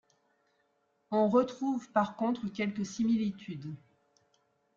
On retrouve par contre quelques similitudes.